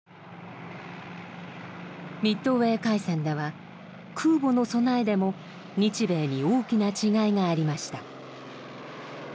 ミッドウェー海戦では空母の備えでも日米に大きな違いがありました。